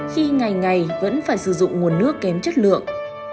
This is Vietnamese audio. khi ngày ngày vẫn phải sử dụng nguồn nước kém chất lượng